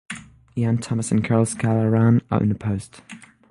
Ian Thomas and Karl Skala ran unopposed.